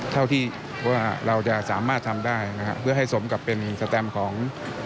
เท่าที่ว่าเราจะสามารถทำได้นะฮะเพื่อให้สมกับเป็นสแตมของ